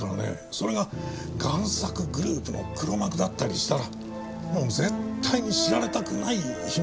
それが贋作グループの黒幕だったりしたらもう絶対に知られたくない秘密のはずです。